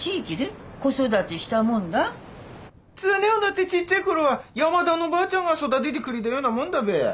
常雄だってちっちゃい頃は山田のばあちゃんが育ててくれたようなもんだべ。